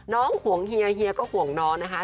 ห่วงเฮียเฮียก็ห่วงน้องนะคะ